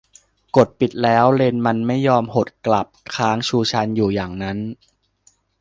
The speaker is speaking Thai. กดปิดแล้วเลนส์มันไม่ยอมหดกลับ ค้างชูชันอยู่อย่างนั้น